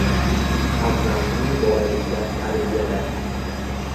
• Farzandni bolalikdan tarbiyala.